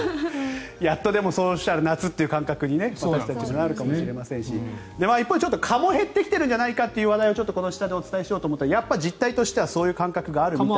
やっとそうしたら夏という感覚に私たちもなるかもしれませんし一方、ちょっと蚊も減ってきているんじゃないかという話題をお伝えしようと、実態としてはそういう感覚がある。